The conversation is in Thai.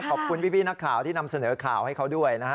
ขอบคุณพี่นักข่าวที่นำเสนอข่าวให้เขาด้วยนะฮะ